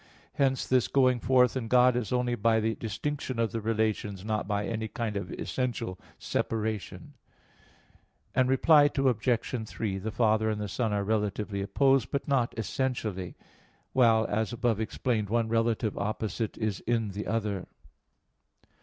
Hence this going forth in God is only by the distinction of the relations, not by any kind of essential separation. Reply Obj. 3: The Father and the Son are relatively opposed, but not essentially; while, as above explained, one relative opposite is in the other.